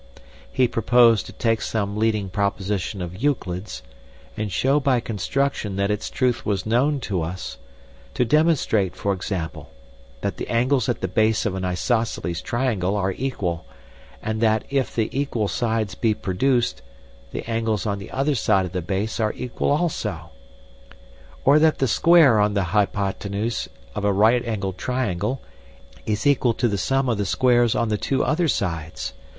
He proposed to take some leading proposition of Euclid's, and show by construction that its truth was known to us, to demonstrate, for example, that the angles at the base of an isosceles triangle are equal, and that if the equal sides be produced the angles on the other side of the base are equal also, or that the square on the hypotenuse of a right angled triangle is equal to the sum of the squares on the two other sides.